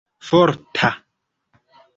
forta